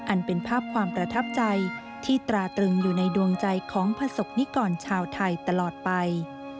อันเป็นภาพความประทับใจที่ตราตรึงอยู่ในดวงใจของประสบนิกรชาวไทยตลอดไป